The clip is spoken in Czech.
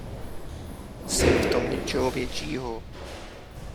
Symptom něčeho většího!